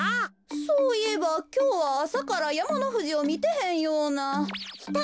そういえばきょうはあさからやまのふじをみてへんような。